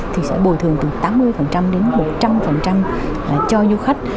thì sẽ bồi thường từ tám mươi đến một trăm linh cho du khách